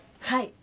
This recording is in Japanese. はい。